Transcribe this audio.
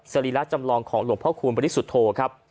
รีระจำลองของหลวงพ่อคูณบริสุทธโธครับ